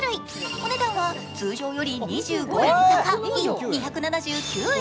お値段は通常より２５円高い２７９円。